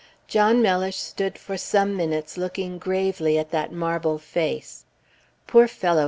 John Mellish stood for some minutes looking gravely at that marble face. "Poor fellow!"